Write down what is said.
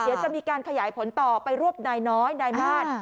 เดี๋ยวจะมีการขยายผลต่อไปรวบนายน้อยนายมาส